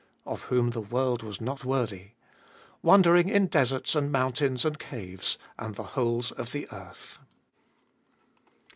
(Of whom the world was not worthy), wandering in deserts and moun tains and caves, and the holes of the earth.